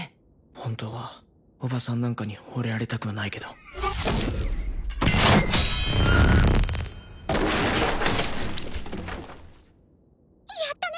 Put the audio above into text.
本当は叔母さんなんかにホレられたくはないけどやったね！